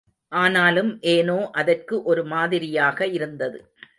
ஆனாலும், ஏனோ அதற்கு ஒரு மாதிரியாக இருந்தது.